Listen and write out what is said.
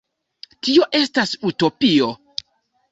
Tio estas utopio.